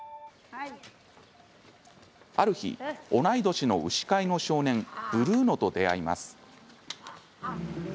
ある日、同い年の牛飼いの少年ブルーノと出会います。